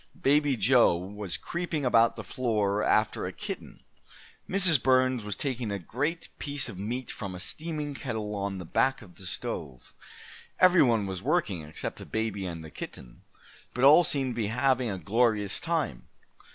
Baby Joe was creeping about the kitchen floor after a kitten. Mrs. Burns was taking a great piece of meat from a steaming kettle on the back of the stove. Every one was working, except the baby and the kitten, but all seemed to be having a glorious time.